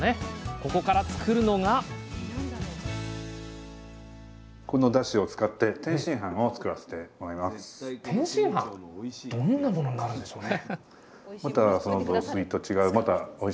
ここから作るのが天津飯⁉どんなものになるんでしょうね？